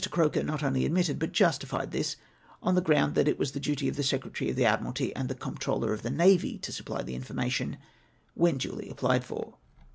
Croker not only admitted but justified this, on the ground that it was the duty of the Secretary of the Admiralty and the Comptroller of the Navy to supply the mformation " ivhen duly applied for.